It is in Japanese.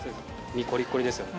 身コリコリですよね。